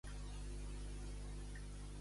Només ho reivindicaven nacionalment?